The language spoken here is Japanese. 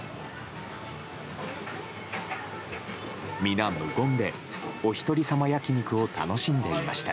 皆、無言でお一人様焼き肉を楽しんでいました。